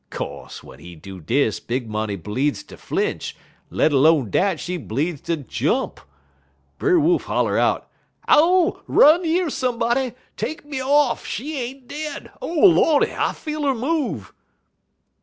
Co'se, w'en he do dis, Big Money bleedz ter flinch; let 'lone dat, she bleedz ter jump. Brer Wolf holler out: "'Ow! Run yer somebody! Take me off! She ain't dead! O Lordy! I feel 'er move!'